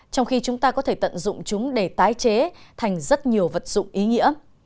trong khi chúng ta có thể tận dụng chúng để tái chế thành rất nhiều vật dụng ý nghĩa